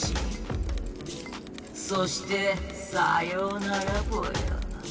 そしてさようならぽよ。